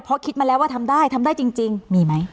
เพราะคิดมาแล้วว่าทำได้ทำได้จริงมีไหม